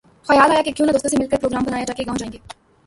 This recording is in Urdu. خیال آیا کہ کیوں نہ دوستوں سے مل کر پروگرام بنایا جائے کہ گاؤں جائیں گے